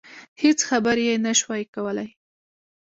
هېڅ خبرې يې نشوای کولای.